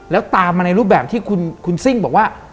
แล้วตามมาในรูปแบบที่คุณซิ่งบอกว่า